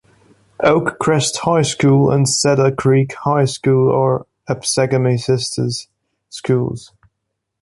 Oakcrest High School and Cedar Creek High School are Absegami's sister schools.